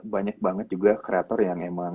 banyak banget juga kreator yang emang